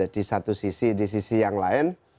di satu sisi di sisi yang lain